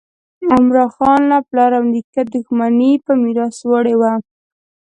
عمراخان له پلار او نیکه دښمني په میراث وړې وه.